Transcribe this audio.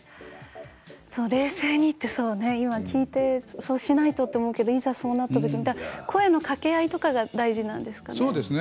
冷静にと今聞いてそうしないとと思うけれどもいざそうなったときに声のかけ合いとかが大事なんですかね。